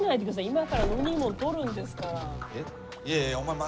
今から飲み物取るんですから。